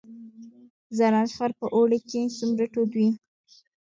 زرنج ښار په اوړي کې څومره تود وي؟